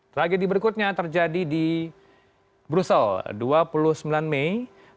tragedi berikutnya terjadi di brussel dua puluh sembilan mei seribu sembilan ratus delapan puluh lima